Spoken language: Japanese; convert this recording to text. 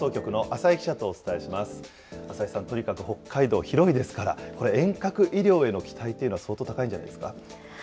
浅井さん、とにかく北海道、広いですから、これ、遠隔医療への期待っていうのは、相当高いんじゃないですか。